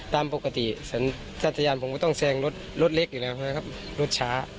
ตามปกติฉันจัดทรยานผมก็ต้องแสงรถเล็กอยู่นะครับรถช้า